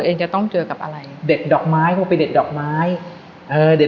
เองจะต้องเจอกับอะไรเด็ดดอกไม้เข้าไปเด็ดดอกไม้เออเด็ด